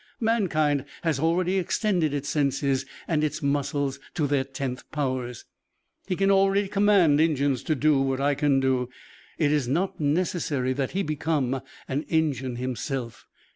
Mankind has already extended its senses and its muscles to their tenth powers. He can already command engines to do what I can do. It is not necessary that he become an engine himself.